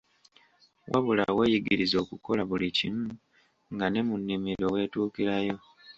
Wabula weeyigirize okukola buli kimu, nga ne mu nnimiro weetuukirayo.